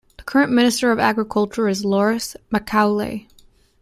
The current Minister of Agriculture is Lawrence MacAulay.